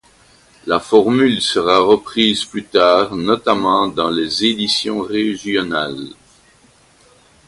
La formule sera reprise plus tard, notamment dans des éditions régionales.